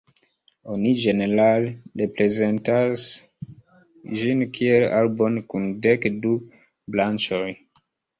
Oni ĝenerale reprezentas ĝin kiel arbon kun dek du branĉoj.